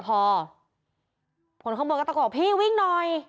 ผลเผช์ข้างบนก็ต้องบอกพี่วิ่งหน่อย